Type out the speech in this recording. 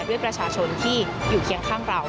ด้วยประชาชนที่อยู่เคียงข้างเรา